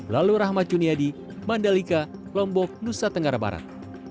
lalu rahmat juniadi mandalika lombok nusa tenggara barat